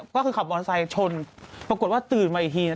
ก็คือขับมอนไซช์ชนปรากฏว่าตื่นมาอีกทีนะ